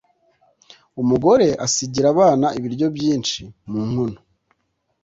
umugore asigira abana ibiryo byinshi mu nkono.